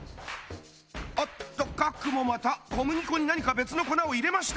おっと佳久もまた小麦粉に何か別の粉を入れました！